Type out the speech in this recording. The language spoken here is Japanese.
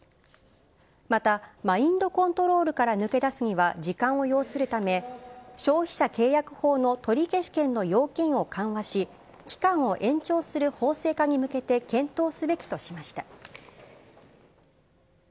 また、マインドコントロールから抜け出すには時間を要するため、消費者契約法の取り消し権の要件を緩和し、期間を延長する法制化に向けて検討すべきとしました。